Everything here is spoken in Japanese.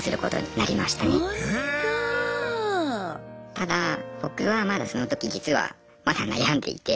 ただ僕はまだその時実はまだ悩んでいて。